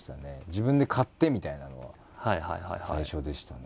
自分で買ってみたいなのが最初でしたね。